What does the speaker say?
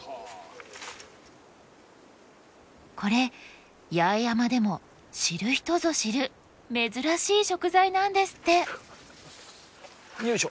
これ八重山でも知る人ぞ知る珍しい食材なんですって。